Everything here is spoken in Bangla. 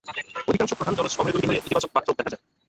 অধিকাংশ প্রধান জলজ অমেরুদন্ডী দলে ইতিবাচক বাতরোগ দেখা যায়।